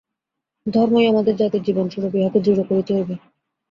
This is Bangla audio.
ধর্মই আমাদের জাতির জীবনস্বরূপ, ইহাকে দৃঢ় করিতে হইবে।